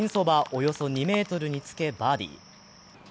およそ２ｍにつけ、バーディー。